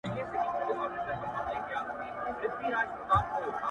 لكه ملا،